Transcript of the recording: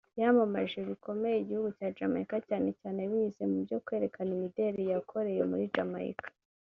yamamaje bikomeye igihugu cya Jamaica cyane cyane binyuze mu byo kwerekana imideli yakoreye muri Jamaica